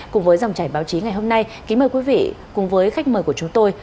cùng với dòng chảy báo chí ngày hôm nay kính mời quý vị cùng với khách mời của chúng tôi